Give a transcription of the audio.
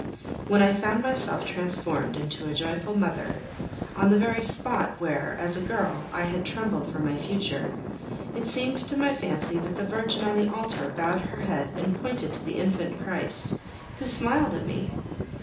When I found myself transformed into a joyful mother, on the very spot where, as a girl, I had trembled for my future, it seemed to my fancy that the Virgin on the altar bowed her head and pointed to the infant Christ, who smiled at me!